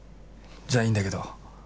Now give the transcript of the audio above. じゃいいんだけど。